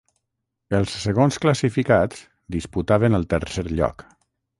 Els segons classificats disputaven el tercer lloc.